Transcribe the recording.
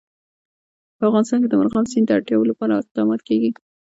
په افغانستان کې د مورغاب سیند د اړتیاوو لپاره اقدامات کېږي.